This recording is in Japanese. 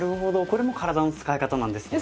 これも体の使い方なんですね。